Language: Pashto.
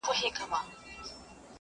ما د خپل ورور سره په نوي پارک کې ولیدل.